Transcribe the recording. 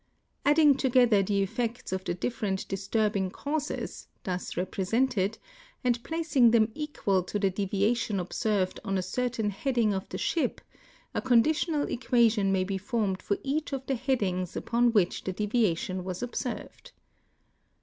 Adding together the effects of the different disturbing causes, thus represented, and jilacing them equal to the deviation observed on a certain heading of the ship, a conditional equation may be formed for each of the headings upon which the deviation was observed.